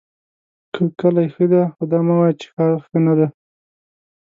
که کلی ښۀ دی خو دا مه وایه چې ښار ښۀ ندی!